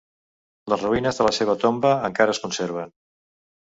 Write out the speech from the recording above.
Les ruïnes de la seva tomba encara es conserven.